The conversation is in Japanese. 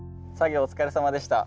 お疲れさまでした。